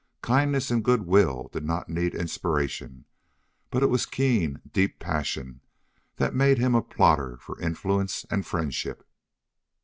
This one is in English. Kindness and good will did not need inspiration, but it was keen, deep passion that made him a plotter for influence and friendship.